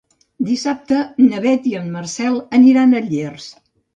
Dissabte na Beth i en Marcel aniran a Llers.